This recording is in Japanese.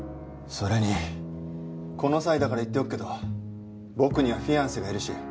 それにこの際だから言っておくけど僕にはフィアンセがいるし。